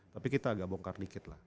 tapi kita agak bongkar dikit lah